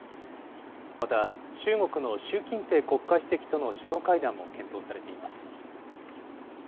また、中国の習近平国家主席との首脳会談も検討されています。